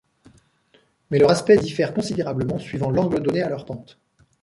Mais leur aspect diffère considérablement suivant l'angle donné à leur pente.